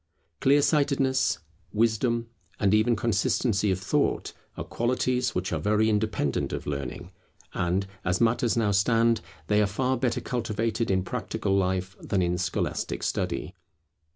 Clear sightedness, wisdom, and even consistency of thought, are qualities which are very independent of learning; and, as matters now stand, they are far better cultivated in practical life than in scholastic study.